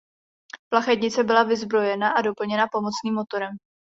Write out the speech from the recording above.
Plachetnice byla vyzbrojena a doplněna pomocným motorem.